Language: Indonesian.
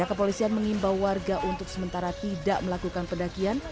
ya kepolisian mengimbau warga untuk sementara tidak melakukan pedakian